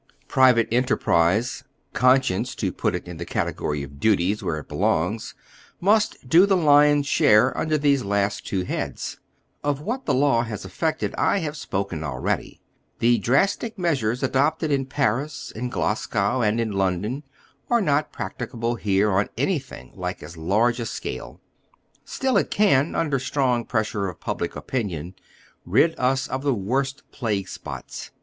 Private en tei'prise— conscience, to put it in thecategory of duties, where it belongs — must do the lion's share un der these last two heads. Of what the law has effected I oy Google 284 HOW THE OTIIKR HALF LIVES. have spoken already. The drastic measures adopted in Paris, in Glasgow, and in London artj not practicable here on anything like as large a scale. Still it can, under stioTig pressure of public opinion, rid us of the worst plagne spots.